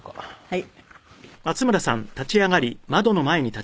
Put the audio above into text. はい。